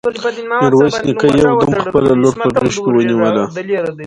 ميرويس نيکه يو دم خپله لور په غېږ کې ونيوله.